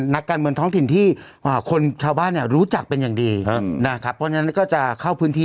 สแตนบายไทยรัสนิวโชว์แล้วล่ะขออนุญาตก่อนนะฮะครับขอบคุณที่